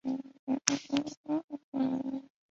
莫科托夫区是波兰首都华沙的一个行政区。